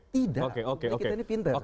tidak kita ini pinter